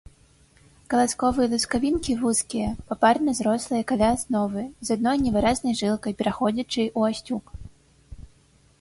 Каласковыя лускавінкі вузкія, папарна зрослыя каля асновы, з адной невыразнай жылкай, пераходзячай у асцюк.